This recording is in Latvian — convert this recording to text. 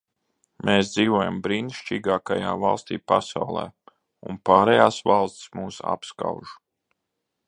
Mēs dzīvojam brīnišķīgākajā valstī pasaulē, un pārējās valstis mūs apskauž.